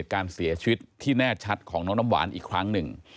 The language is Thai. การเสียชีวิตที่แน่ชัดของน้องน้ำหวานอีกครั้งหนึ่ง